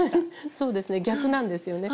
そうですね逆なんですよね。